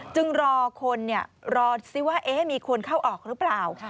จึงรอคนรอซิว่ามีคนเข้าออกหรือเปล่า